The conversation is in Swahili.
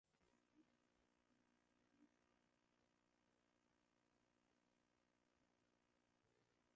viti vya kujifunzia kifaransa na ushirikiano wa kitamaduni duniani kote